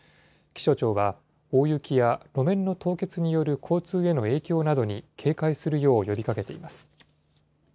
気象庁は、大雪や路面の凍結による交通への影響などに警戒するよう呼びかけています。